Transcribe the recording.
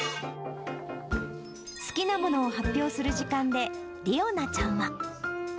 好きなものを発表する時間で、理央奈ちゃんは。